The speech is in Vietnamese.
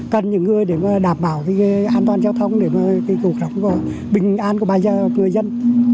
chỉ người để đảm bảo an toàn giao thông để cầu khắc bình an của người dân